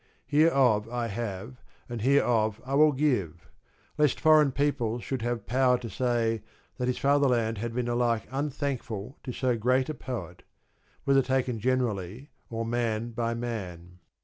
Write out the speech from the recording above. Hereof I have, and hereof I will give ; lest foreign peoples should have power to say that his fatherland had been alike unthankful to so great a poet, whether taken generally or man by man.